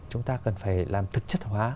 chúng ta cần phải làm thực chất hóa